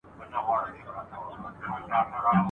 ځوانان د دښمن په وړاندي بې له ډاره جګړه کوي.